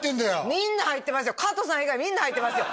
みんな入ってますよかとさん以外みんな入ってますよ